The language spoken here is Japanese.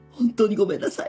ごめんなさい。